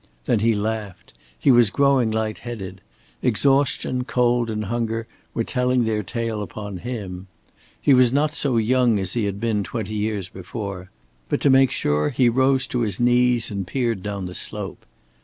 Then he laughed. He was growing light headed. Exhaustion, cold and hunger were telling their tale upon him. He was not so young as he had been twenty years before. But to make sure he rose to his knees and peered down the slope.